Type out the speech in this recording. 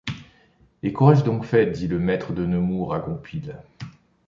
Et qu’aurais-tu donc fait? dit le maître de Nemours à Goupil.